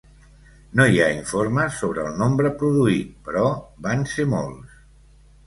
No hi ha informes sobre el nombre produït, però van ser molts.